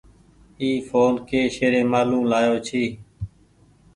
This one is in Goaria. اي ڦون ڪي شهريمآلو لآيو ڇي۔